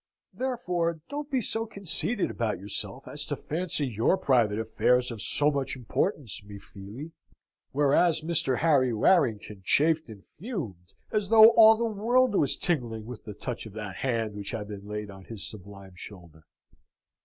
Therefore don't be so conceited about yourself as to fancy your private affairs of so much importance, mi fili. Whereas Mr. Harry Warrington chafed and fumed as though all the world was tingling with the touch of that hand which had been laid on his sublime shoulder.